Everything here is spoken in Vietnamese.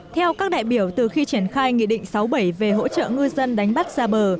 theo các đại biểu từ khi triển khai nghị định sáu bảy về hỗ trợ ngư dân đánh bắt ra bờ